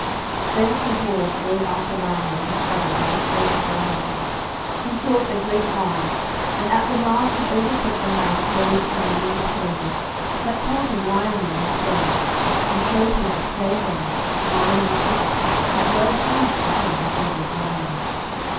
Then Sir Bors rode after Lionel his brother by the trace of their horses. He sought a great while; and at the last he overtook a man clothed in religious clothing, that told him Lionel was dead, and showed him a slain body, lying in a thicket, that well seemed to him the body of Lionel.